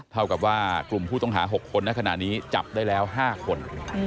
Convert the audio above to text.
เท่ากับว่ากลุ่มผู้ต้องหา๖คนในขณะนี้จับได้แล้ว๕คน